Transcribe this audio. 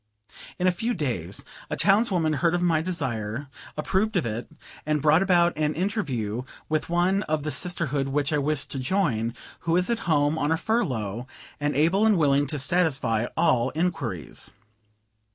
In a few days a townswoman heard of my desire, approved of it, and brought about an interview with one of the sisterhood which I wished to join, who was at home on a furlough, and able and willing to satisfy all inquiries.